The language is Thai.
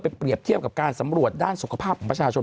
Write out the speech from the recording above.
เปรียบเทียบกับการสำรวจด้านสุขภาพของประชาชน